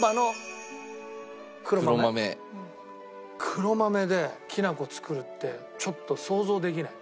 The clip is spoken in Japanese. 黒豆できな粉作るってちょっと想像できない。